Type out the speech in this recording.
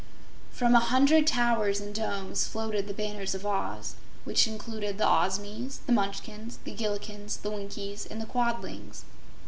From a hundred towers and domes floated the banners of Oz, which included the Ozmies, the Munchkins, the Gillikins, the Winkies and the Quadlings.